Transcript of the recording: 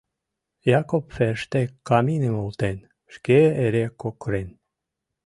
Якоб Ферштег каминым олтен, шке эре кокырен.